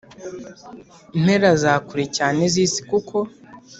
mpera za kure cyane z isi kuko